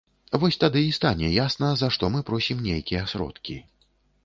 Вось тады і стане ясна, за што мы просім нейкія сродкі.